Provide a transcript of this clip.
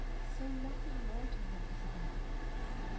"Say nothing more to her, Isabel."